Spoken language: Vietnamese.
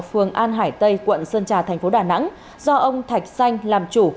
phường an hải tây quận sơn trà thành phố đà nẵng do ông thạch xanh làm chủ